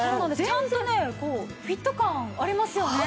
ちゃんとねこうフィット感ありますよね。